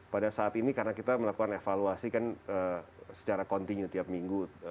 pada saat ini karena kita melakukan evaluasi kan secara kontinu tiap minggu